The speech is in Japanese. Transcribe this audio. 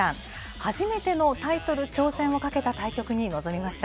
初めてのタイトル挑戦をかけた対局に臨みました。